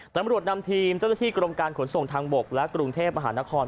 ตำรวจนำทีมเจ้าหน้าที่กรมการขนส่งทางบกและกรุงเทพมหานคร